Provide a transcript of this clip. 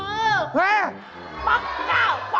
ไหว้เจ้าที่เหรอโอ๊ยไหว้เจ้ามือ